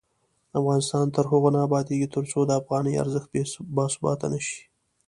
افغانستان تر هغو نه ابادیږي، ترڅو د افغانۍ ارزښت باثباته نشي.